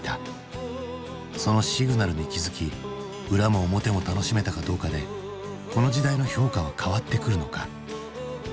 そのシグナルに気付き裏も表も楽しめたかどうかでこの時代の評価は変わってくるのか？